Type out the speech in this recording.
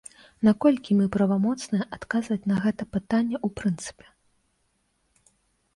Наколькі мы правамоцныя адказваць на гэта пытанне ў прынцыпе?